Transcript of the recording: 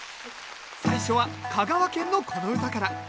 最初は香川県のこの唄から。